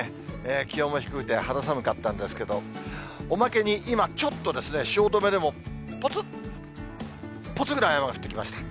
気温も低くて肌寒かったんですけど、おまけに今、ちょっとですね、汐留でもぽつっ、ぽつっぐらい雨が降ってきました。